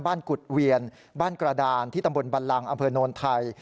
กุฎเวียนบ้านกระดานที่ตำบลบันลังอำเภอโนนไทย